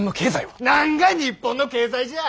何が日本の経済じゃ！